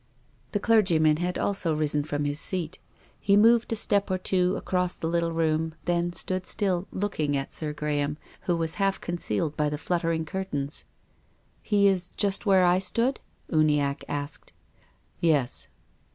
The clergyman had also risen from his seat. He moved a step or two across the little room, then stood still, looking at Sir Graham, who was half concealed by the fluttering curtains. " He is just where I stood?" Uniackc asked. "Yes."